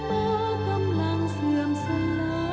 กลับสัจริงของเมืองแห่งใกล้